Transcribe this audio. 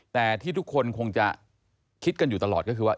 แต่ที่ทุกคนคงจะคิดกันอยู่ตลอดก็คือว่า